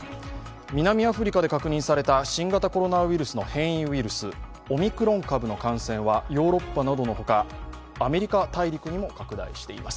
南アフリカで確認された新型コロナウイルスの変異ウイルスオミクロン株の感染はヨーロッパなどのほかアメリカ大陸にも拡大しています。